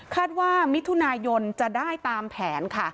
ว่ามิถุนายนจะได้ตามแผนค่ะ